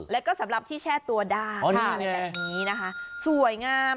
แล้วก็สำหรับที่แช่ตัวดาค่ะอ๋อนี่แหละแบบนี้นะคะสวยงาม